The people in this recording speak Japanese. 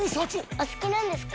お好きなんですか？